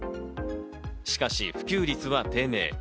しかし普及率は低迷。